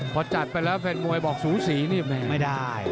พอจัดไปแล้วแฟนมวยบอกสูสีนี่ไม่ได้